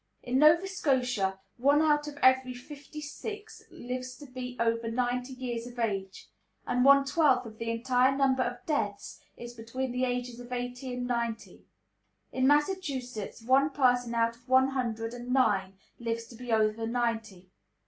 In Nova Scotia one out of every fifty six lives to be over ninety years of age; and one twelfth of the entire number of deaths is between the ages of eighty and ninety. In Massachusetts one person out of one hundred and nine lives to be over ninety.